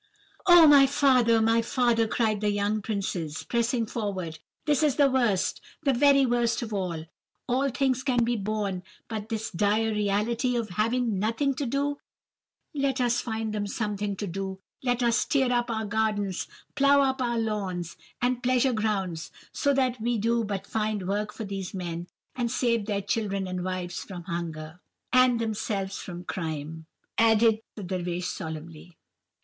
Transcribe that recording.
"'Oh, my father, my father,' cried the young princes, pressing forward, 'this is the worst, the very worst of all! All things can be borne, but this dire reality of having nothing to do. Let us find them something to do. Let us tear up our gardens, plough up our lawns, and pleasure grounds, so that we do but find work for these men, and save their children and wives from hunger.' "'And themselves from crime,' added the Dervish solemnly.